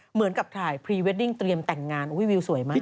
เหมือนกับถ่ายพรีเวดดิ้งเตรียมแต่งงานวิวสวยมาก